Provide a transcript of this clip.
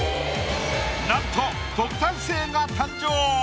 なんと特待生が誕生！